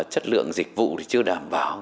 chất lượng dịch vụ cũng chưa đảm bảo